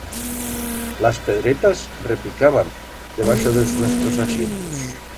Las pedretas repicaban debaixo d'els nuestros asientos.